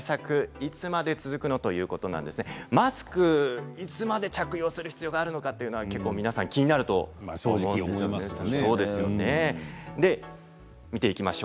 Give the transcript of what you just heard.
いつまで続くの？ということなんですがマスクはいつまで着用する必要があるのかという疑問、皆さん気になっていると思います。